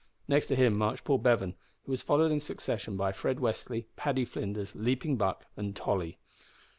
Next to him marched Paul Bevan, who was followed in succession by Fred Westly, Paddy Flinders, Leaping Buck, and Tolly.